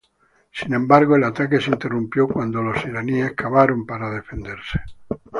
Sin embargo el ataque se interrumpió cuando los iraníes cavaron para defenderse.